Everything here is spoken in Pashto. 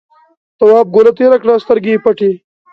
تواب گوله تېره کړه سترګې یې پټې.